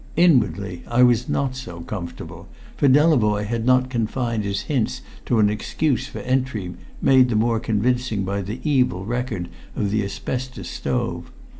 Inwardly I was not so comfortable, for Delavoye had not confined his hints to an excuse for entry, made the more convincing by the evil record of the asbestos stove.